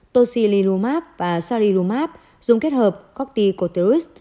tocililumab và sarilumab dùng kết hợp corticosteroids